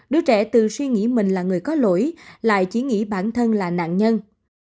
đứa trẻ từ suy nghĩ mình là người có lỗi lại chỉ nghĩ bản thân là nạn nhân